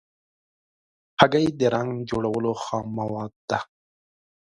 هګۍ د رنګ جوړولو خام مواد ده.